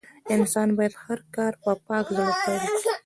انسان بايد هر کار په پاک زړه پيل کړي.